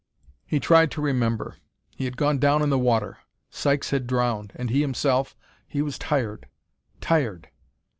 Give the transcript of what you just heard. He tried to remember. He had gone down in the water Sykes had drowned, and he himself he was tired tired.